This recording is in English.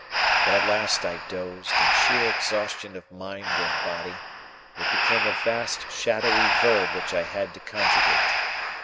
When at last I dozed, in sheer exhaustion of mind and body, it became a vast shadowy verb which I had to conjugate.